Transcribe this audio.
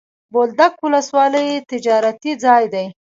بولدک ولسوالي تجارتي ځای دی.